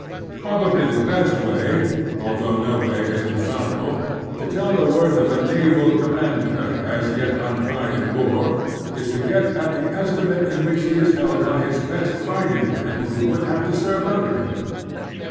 Probably the best way (although no way is infallible) to tell the worth of a naval commander as yet tmtried in war is to get at the estimate in which he is held by the best fighting men who would have to serve tmder him.